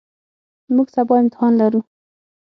موږ سبا امتحان لرو.